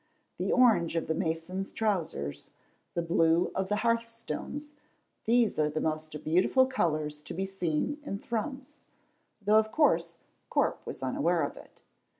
The orange of the masons' trousers, the blue of the hearthstones, these are the most beautiful colors to be seen in Thrums, though of course Corp was unaware of it.